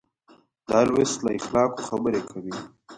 دا لوست له اخلاقو خبرې کوي.